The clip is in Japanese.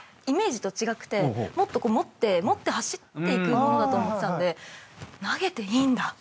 イメージと違くてもっとこう持って走っていくものだと思ってたんで投げていいんだ。